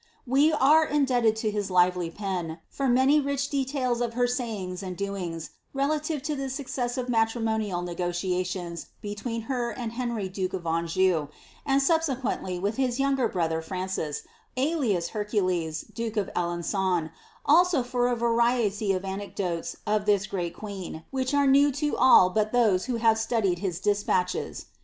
We are indebted lo his lively pen, for many rich deiaUs of her say ings and doings, relative to the successive matrimonial negotiations be tween her and Henry duke of Anjou, and subsequently wiih his younger brother Francis, alias Hercules, duke of Alen^on, also for a variety of anecdotes of this great queen, which are new to all but those who hlTt Studied his despatches.